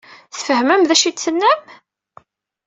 Tfehmem d acu ay d-tennam?